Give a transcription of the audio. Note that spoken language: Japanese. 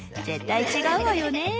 「絶対違うわよね」。